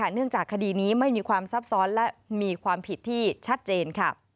เนื่องจากคดีนี้ไม่มีความซับซ้อนและมีความผิดที่ชัดเจน